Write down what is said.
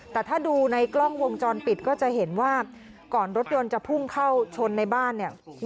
แต่ถ้าดูในกล้องวงจรปิดก็จะเห็นว่าก่อนรถยนต์จะพุ่งเข้าชนในบ้านเนี่ย